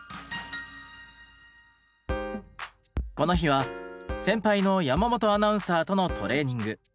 この日は先輩の山本アナウンサーとのトレーニング。